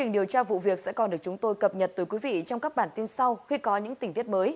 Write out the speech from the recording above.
điều tra vụ việc sẽ còn được chúng tôi cập nhật tới quý vị trong các bản tin sau khi có những tình tiết mới